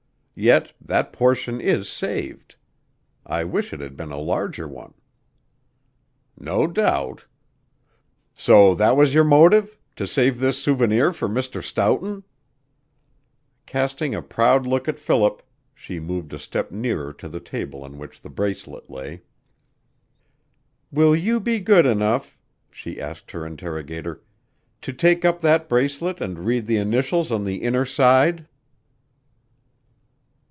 Yet that portion is saved. I wish it had been a larger one." "No doubt. So that was your motive to save this souvenir for Mr. Stoughton?" Casting a proud look at Philip, she moved a step nearer to the table on which the bracelet lay. "Will you be good enough," she asked her interrogator, "to take up that bracelet and read the initials on the inner side?"